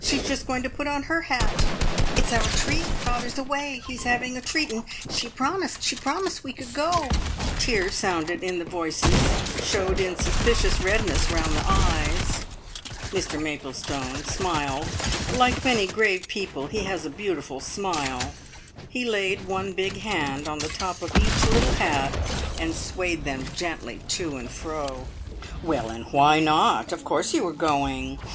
She's just going to put on her hat." "It's our treat. Father's away. He's having a treat, and she promised she promised we could go!" Tears sounded in the voices, showed in suspicious redness round the eyes. Mr Maplestone smiled like many grave people he has a beautiful smile he laid one big hand on the top of each little hat, and swayed them gently to and fro. "Well, and why not? Of course you are going!